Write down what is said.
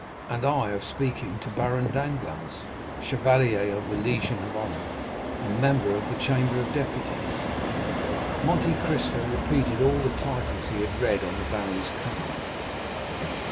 "And I of speaking to Baron Danglars, chevalier of the Legion of Honor, and member of the Chamber of Deputies?" Monte Cristo repeated all the titles he had read on the baron's card.